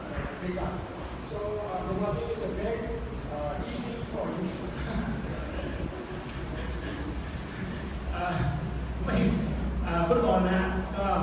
ที่ไทยมันจะมีอะไรก็บ้างนะครับ